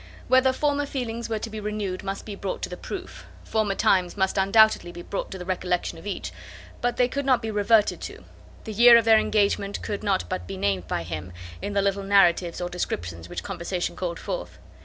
Whether former feelings were to be renewed must be brought to the proof; former times must undoubtedly be brought to the recollection of each; they could not but be reverted to; the year of their engagement could not but be named by him, in the little narratives or descriptions which conversation called forth.